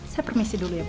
saya permisi dulu ya bu